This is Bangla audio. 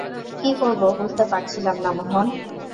কি করব বুঝতে পারছিলাম না, মোহন।